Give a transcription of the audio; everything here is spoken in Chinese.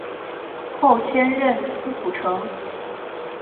后迁任司仆丞。